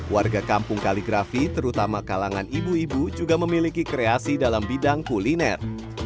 warga kampung kaligrafi terutama kalangan ibu ibu juga memiliki kreasi dalam bidang kuliner